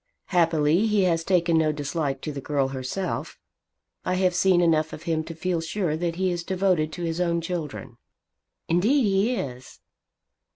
Happily he has taken no dislike to the girl herself. I have seen enough of him to feel sure that he is devoted to his own children." "Indeed he is."